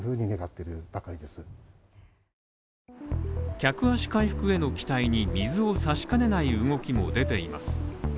客足回復への期待に水を差しかねない動きも出ています。